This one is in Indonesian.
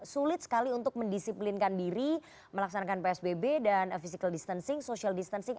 sulit sekali untuk mendisiplinkan diri melaksanakan psbb dan physical distancing social distancing